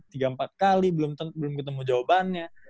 tiga empat kali belum ketemu jawabannya